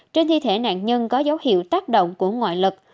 trên thi thể nạn nhân có dấu hiệu tác động của ngoại lực